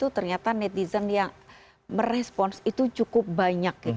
ternyata netizen yang merespons itu cukup banyak